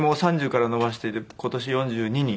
３０から伸ばして今年４２に。